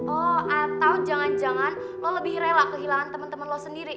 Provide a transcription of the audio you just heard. oh atau jangan jangan lo lebih rela kehilangan teman teman lo sendiri